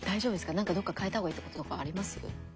なんかどっか変えた方がいいとことかあります？